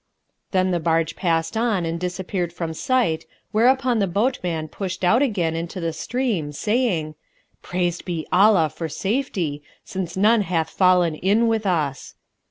Then the barge passed on and disappeared from sight whereupon the boatman pushed out again into the stream, saying, "Praised be Allah for safety, since none hath fallen in with us!"